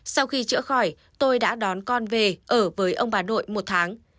sau khi chữa khỏi tôi đã đón con về ở với ông bà nội một tháng